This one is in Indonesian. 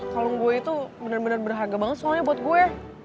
kalung gue itu bener bener berharga banget soalnya buat gue